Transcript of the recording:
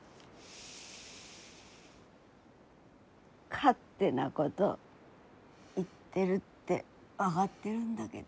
勝手なごど言ってるって分がってるんだけど。